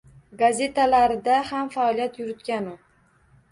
Gazetalarida ham faoliyat yuritgan u.